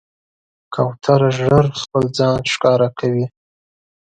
کوتره ژر خپل ځان ښکاره کوي.